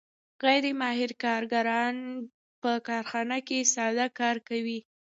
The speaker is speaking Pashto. غیر ماهر کارګران په کارخانه کې ساده کار کوي